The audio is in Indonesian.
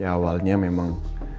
ya awalnya memang